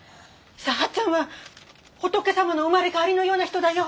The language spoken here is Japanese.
佐八さんは仏様の生まれ変わりのような人だよ。